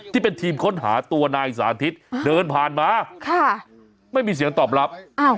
ที่เป็นทีมค้นหาตัวนายสาธิตเดินผ่านมาไม่มีเสียงตอบรับ